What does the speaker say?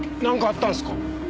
なんかあったんですか？